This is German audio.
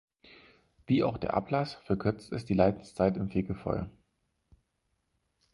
Wie auch der Ablass verkürzt es die Leidenszeit im Fegefeuer.